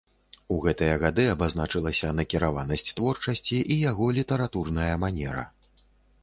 У гэтыя гады абазначылася накіраванасць творчасці і яго літаратурная манера.